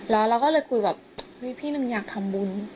แล้วเราก็เลยคุยแบบเฮ้ยพี่หนึ่งอยากทำบุญ